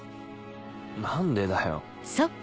何でだよ。